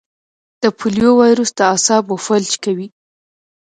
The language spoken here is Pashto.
د پولیو وایرس د اعصابو فلج کوي.